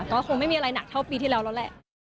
ทำอะไรหนักเท่าปีที่แล้วแล้วแหละ